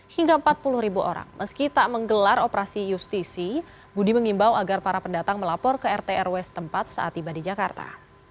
hingga empat puluh ribu orang meski tak menggelar operasi justisi budi mengimbau agar para pendatang melapor ke rt rw setempat saat tiba di jakarta